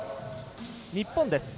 日本です。